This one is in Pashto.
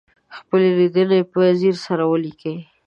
خپلې لیدنې په ځیر سره ولیکئ.